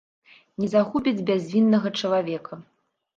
Не загубяць бязвіннага чалавека!